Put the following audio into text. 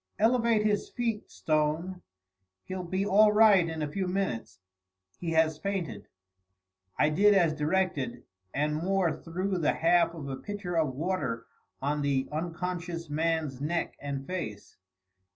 "Elevate his feet, Stone. He'll be all right in a few minutes; he has fainted." I did as directed, and Moore threw the half of a pitcher of water on the unconscious man's neck and face.